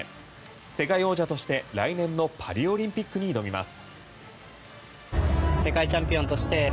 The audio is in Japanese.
世界王者として来年のパリオリンピックに挑みます。